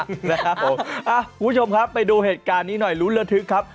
คุณผู้ชมครับไปดูเหตุการณ์นี้หน่อยลุ้นระทึกครับ